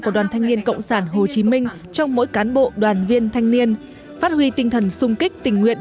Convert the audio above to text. của đoàn thanh niên cộng sản hồ chí minh trong mỗi cán bộ đoàn viên thanh niên phát huy tinh thần sung kích tình nguyện